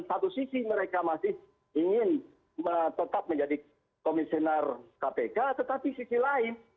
satu sisi mereka masih ingin tetap menjadi komisioner kpk tetapi sisi lain